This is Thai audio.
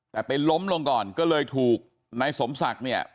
แต่ไปล้มลงก่อนก็เลยถูกนายสมศักดิ์เนี่ย